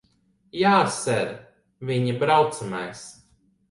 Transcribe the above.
Jā, ser. Viņa braucamais.